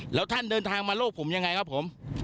แล้วท่านเดินทางมาโลกผมยังไงครับผม